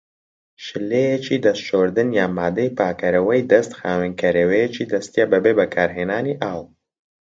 شلەیەکی دەست شۆردن یان مادەی پاکەرەوەی دەست خاوێنکەرەوەیەکی دەستیە بەبێ بەکارهێنانی ئاو.